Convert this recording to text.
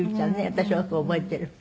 私よく覚えてる。